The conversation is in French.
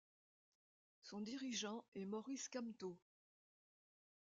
Son dirigeant est Maurice Kamto.